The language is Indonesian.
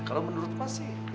kalau menurut mas sih